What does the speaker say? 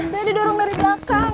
saya didorong dari belakang